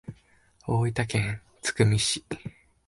大分県津久見市